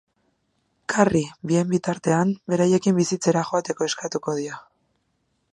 Karri, bien bitartean, beraiekin bizitzera joateko eskatuko dio.